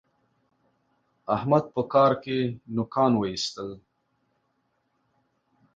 احمد په کار کې نوکان واېستل.